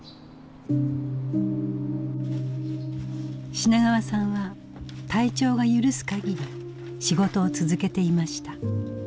品川さんは体調が許すかぎり仕事を続けていました。